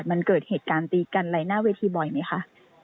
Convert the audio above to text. มันเกิดเหตุการณ์ตีกันอะไรหน้าเวทีบ่อยไหมคะ